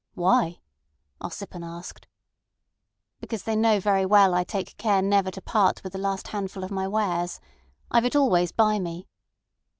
"Why?" Ossipon asked. "Because they know very well I take care never to part with the last handful of my wares. I've it always by me."